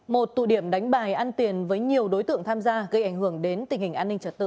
một tụ điểm đánh bài ăn tiền với nhiều đối tượng tham gia gây ảnh hưởng đến tình hình an ninh trật tự